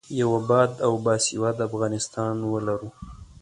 یو اباد او باسواده افغانستان ولرو.